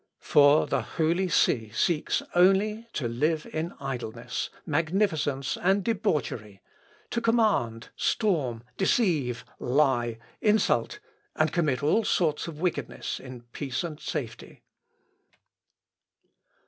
_ "For the holy see seeks only to live in idleness, magnificence, and debauchery, to command, storm, deceive, lie, insult, and commit all sorts of wickedness in peace and safety...."